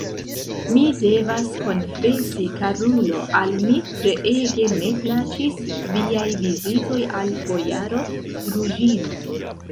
Mi devas konfesi, karulo, al mi treege ne plaĉis viaj vizitoj al bojaro Druĵino.